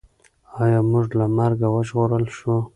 ایا موږ له مرګه وژغورل شوو؟